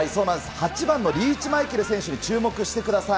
８番のリーチ・マイケル選手に注目してください。